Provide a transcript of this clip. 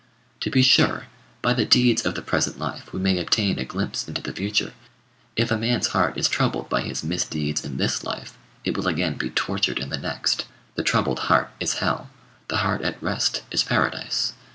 To be sure, by the deeds of the present life we may obtain a glimpse into the future. If a man's heart is troubled by his misdeeds in this life, it will again be tortured in the next. The troubled heart is hell. The heart at rest is paradise.